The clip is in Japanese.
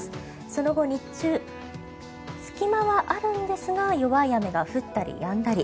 その後、日中隙間はあるんですが弱い雨が降ったりやんだり。